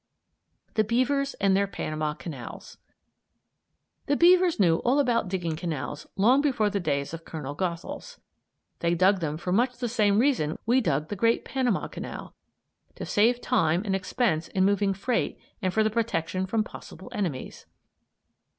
THE BEAVERS AND THEIR PANAMA CANALS The beavers knew all about digging canals long before the days of Colonel Goethals. They dug them for much the same reason we dug the great Panama Canal, to save time and expense in moving freight and for protection from possible enemies.